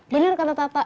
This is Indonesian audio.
bener kata tata